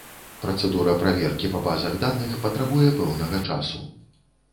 Працэдура праверкі па базах даных патрабуе пэўнага часу.